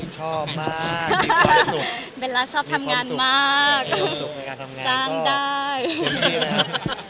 ชอบมากมีความสุขมีความสุขในการทำงาน